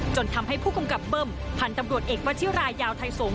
จนทำให้ผู้กำกับเบิ้มพันธุ์ตำรวจเอกวัชิรายาวไทยสงศ